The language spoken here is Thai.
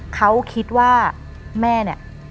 เขาคิดว่าแม่เนี่ย